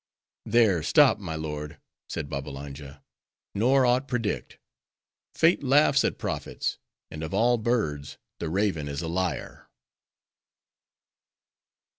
"There stop, my lord," said Babbalanja, "nor aught predict. Fate laughs at prophets; and of all birds, the raven is a liar!"